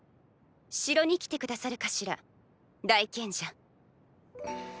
城に来て下さるかしら大賢者。